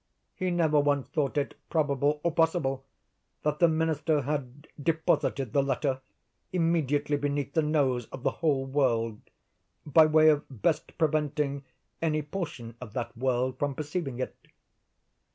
He never once thought it probable, or possible, that the Minister had deposited the letter immediately beneath the nose of the whole world, by way of best preventing any portion of that world from perceiving it.